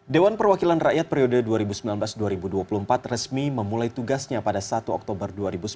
dewan perwakilan rakyat periode dua ribu sembilan belas dua ribu dua puluh empat resmi memulai tugasnya pada satu oktober dua ribu sembilan belas